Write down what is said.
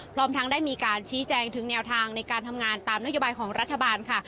พร้อมทั้งได้มีการชี้แจงถึงแนวทางในการทำงานตามนโยบายของรัฐบาลค่ะ